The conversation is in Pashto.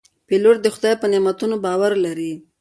پیلوټ د خدای په نعمتونو باور لري.